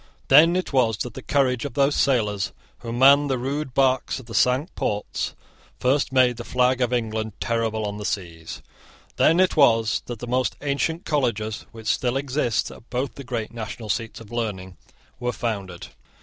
Then it was that the courage of those sailors who manned the rude barks of the Cinque Ports first made the flag of England terrible on the seas. Then it was that the most ancient colleges which still exist at both the great national seats of learning were founded.